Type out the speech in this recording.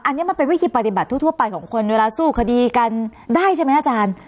อันนี้มันเป็นวิธีปฏิบัติทั่วไปของคนเวลาสู้คดีกันได้ใช่ไหมอาจารย์